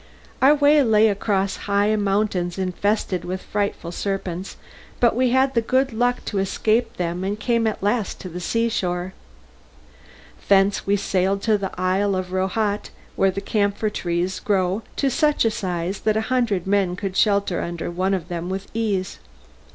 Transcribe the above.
Our way lay across high mountains infested with frightful serpents, but we had the good luck to escape them and came at last to the seashore. Thence we sailed to the isle of Rohat where the camphor trees grow to such a size that a hundred men could shelter under one of them with ease.